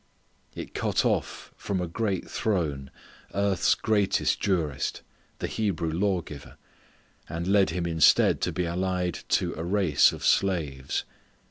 It cut off from a great throne earth's greatest jurist, the Hebrew lawgiver, and led him instead to be allied to a race of slaves.